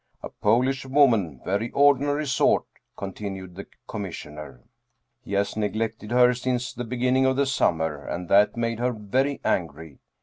"A Polish woman, very ordinary sort," continued the Commis sioner. " He has neglected her since the beginning of the summer, and that made her very angry.